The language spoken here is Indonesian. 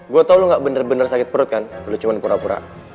gue tau lo gak bener bener sakit perut kan lo cuma pura pura